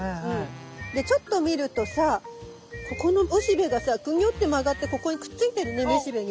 でちょっと見るとさここのおしべがさグニョって曲がってここにくっついてるねめしべに。